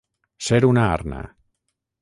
Ser una arna.